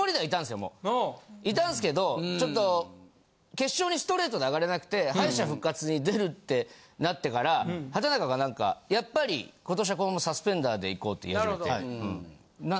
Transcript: いたんすけどちょっと決勝にストレートで上がれなくて敗者復活に出るってなってから畠中が何か「やっぱり今年はこのサスペンダーでいこう」って言い始めて。なぁ？